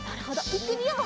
いってみよう。